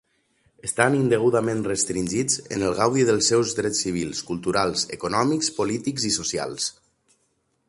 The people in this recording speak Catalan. Estan indegudament restringits en el gaudi dels seus drets civils, culturals, econòmics, polítics i socials.